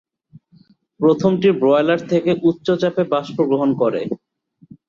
প্রথমটি বয়লার থেকে উচ্চ চাপে বাষ্প গ্রহণ করে।